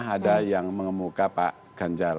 ada yang mengemuka pak ganjar